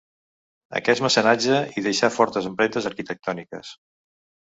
Aquest mecenatge hi deixà fortes empremtes arquitectòniques.